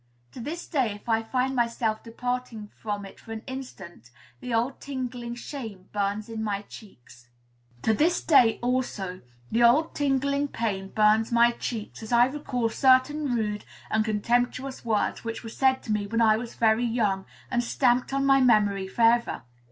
To this day, if I find myself departing from it for an instant, the old tingling shame burns in my cheeks. To this day, also, the old tingling pain burns my cheeks as I recall certain rude and contemptuous words which were said to me when I was very young, and stamped on my memory forever.